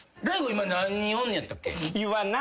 今何人おるんやったっけ？